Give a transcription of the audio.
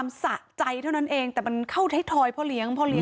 ผมกำลังไปทำงานครับคนตายก็บ่นครับ